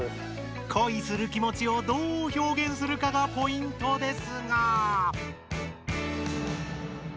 恋する気もちをどう表現するかがポイントですが。